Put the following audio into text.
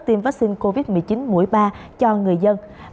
tiêm vaccine covid một mươi chín mũi ba cho người dân